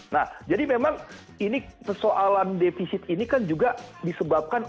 nah jadi memang ini persoalan defisit ini kan juga disebabkan